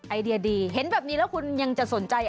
ไอเดียดีเห็นแบบนี้แล้วคุณยังจะสนใจ